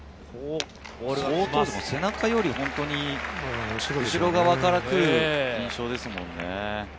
背中より本当に後ろ側から来る印象ですもんね。